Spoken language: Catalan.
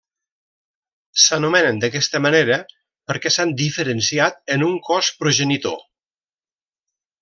S'anomenen d'aquesta manera perquè s'han diferenciat en un cos progenitor.